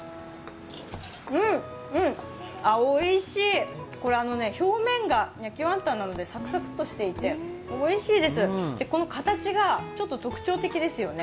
あおいしい、これ表面が焼きワンタンなのでサクサクとしていて、おいしいです、この形がちょっと特徴的ですよね。